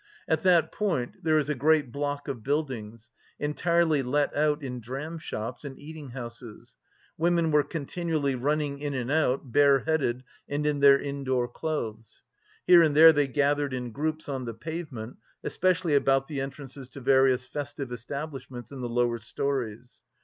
At that point there is a great block of buildings, entirely let out in dram shops and eating houses; women were continually running in and out, bare headed and in their indoor clothes. Here and there they gathered in groups, on the pavement, especially about the entrances to various festive establishments in the lower storeys.